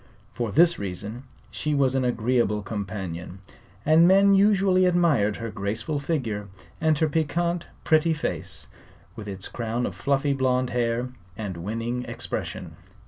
For this reason she was an agreeable companion, and men usually admired her graceful figure and her piquant, pretty face with its crown of fluffy blonde hair and winning expression.